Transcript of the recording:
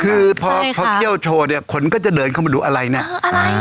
คือพอเขาเที่ยวโชว์เนี่ยคนก็จะเดินเข้ามาดูอะไรเนี่ยอ่า